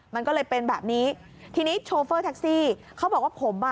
มันก็เลยเป็นแบบนี้ทีนี้โชเฟอร์แท็กซี่เขาบอกว่าผมอ่ะ